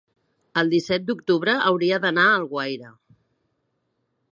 el disset d'octubre hauria d'anar a Alguaire.